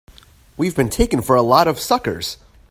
We've been taken for a lot of suckers!